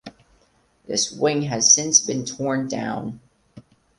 This wing has since been torn down.